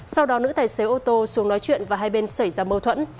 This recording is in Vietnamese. sau đó nữ tài xế ô tô xuống nói chuyện và hai bên xảy ra mâu thuẫn